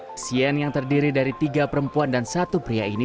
pasien yang terdiri dari tiga perempuan dan satu pria ini